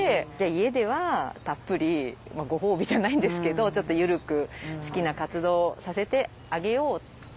家ではたっぷりまあご褒美じゃないんですけどちょっと緩く好きな活動をさせてあげようって思いました。